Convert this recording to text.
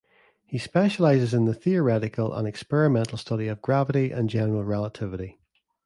He specializes in the theoretical and experimental study of gravity and general relativity.